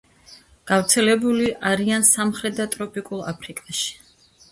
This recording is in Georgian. გავრცელებული არიან სამხრეთ და ტროპიკულ აფრიკაში.